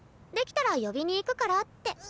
出来たら呼びに行くからって。